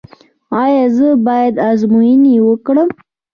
ایا زه باید ازموینې وکړم؟